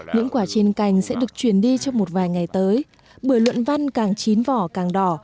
những quả trên cành sẽ được chuyển đi trong một vài ngày tới bưởi luận văn càng chín vỏ càng đỏ